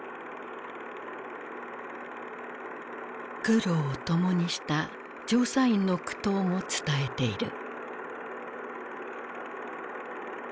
苦労を共にした調査員の苦闘も伝えている。